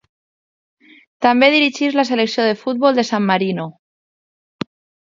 També dirigeix la selecció de futbol de San Marino.